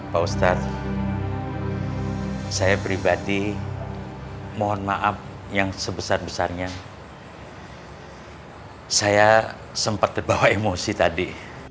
pak ustadz saya pribadi mohon maaf yang sebesar besarnya saya sempat terbawa emosi tadi